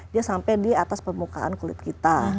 dia sampai di atas permukaan kulit kita